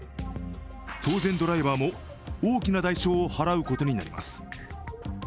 当然、ドライバーも大きな代償を払うことになります。